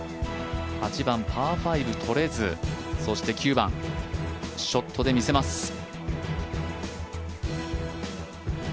８番、パー５とれずそして、９番ショットで見せます。